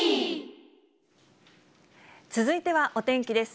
続いてはお天気です。